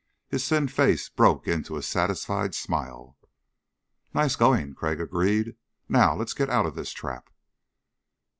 His thin face broke into a satisfied smile. "Nice going," Crag agreed. "Now let's get out of this trap."